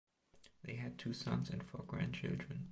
They had two sons and four grandchildren.